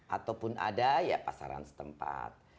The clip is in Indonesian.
ataupun ada ya pasaran setempat